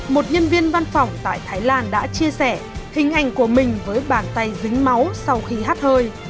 một nhân viên văn phòng tại thái lan đã chia sẻ hình ảnh của mình với bàn tay dính máu sau khi hát hơi